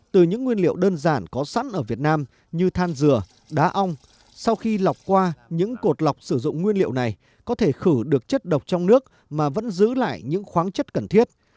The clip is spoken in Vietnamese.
từ những nguyên liệu đơn giản có sẵn ở việt nam như than dừa đá ong sau khi lọc qua những cột lọc sử dụng nguyên liệu này có thể khử được chất độc trong nước mà vẫn giữ lại những khoáng chất cần thiết